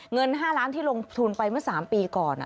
เงิน๕ล้านที่ลงทุนไปเมื่อ๓ปีก่อน